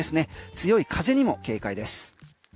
強い風にも警戒です。